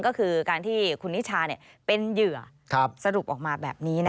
ก็คือการที่คุณนิชาเป็นเหยื่อสรุปออกมาแบบนี้